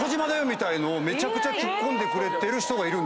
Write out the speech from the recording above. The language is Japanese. みたいのをめちゃくちゃツッコんでくれてる人がいる。